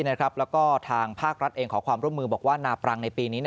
แล้วก็ทางภาครัฐเองขอความร่วมมือบอกว่านาปรังในปีนี้